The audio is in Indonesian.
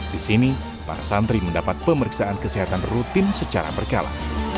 di sini para santri mendapat pemeriksaan kesehatan rutin secara berkala